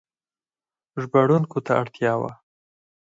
ژباړونکو ته اړتیا وه.